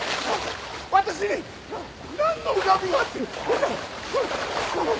私に何の恨みがあって。